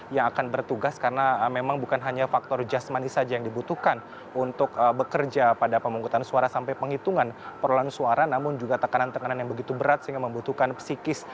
yang akan bertugas karena memang bukan hanya faktor jasmani saja yang dibutuhkan untuk bekerja pada pemungkutan suara sampai penghitungan perolahan suara namun juga tekanan tekanan yang begitu berat sehingga membutuhkan psikis